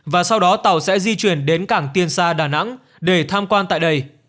và sau đó tàu sẽ di chuyển đến cảng tiên sa đà nẵng để tham quan tại đây